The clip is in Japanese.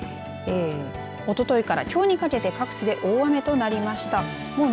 おとといからきょうにかけて各地で大雨となりました。